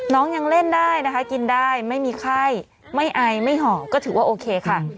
ยังเล่นได้นะคะกินได้ไม่มีไข้ไม่ไอไม่หอบก็ถือว่าโอเคค่ะ